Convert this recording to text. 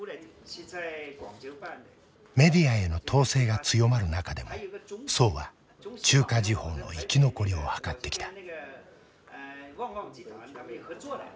メディアへの統制が強まる中でも曽は中華時報の生き残りを図ってきた。